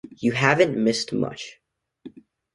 You haven't missed much.